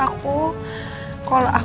kalau aku nuduh mereka